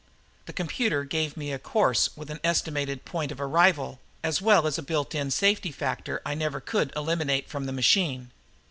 The computer gave me a course with an estimated point of arrival as well as a built in safety factor I never could eliminate from the machine.